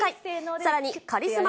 さらにカリスマ